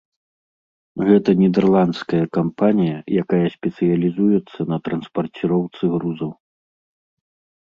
Гэта нідэрландская кампанія, якая спецыялізуецца на транспарціроўцы грузаў.